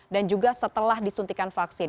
dan juga setelah disuntikan vaksin